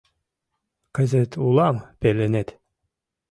Кызыт улам пеленет.